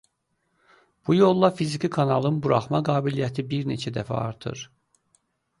Bu yolla fiziki kanalın buraxma qabiliyyəti bir neçə dəfə artır.